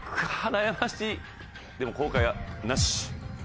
でも後悔はなし。